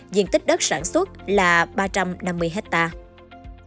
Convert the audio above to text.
diện tích đất sản xuất là ba trăm năm mươi hectare